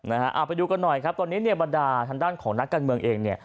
เอาไปดูกันหน่อยครับตอนนี้บรรดาทางด้านของนักการเมืองเอง